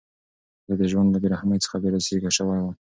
زه د ژوند له بېرحمۍ څخه بېسېکه شوی وم.